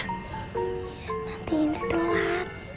nanti ini telat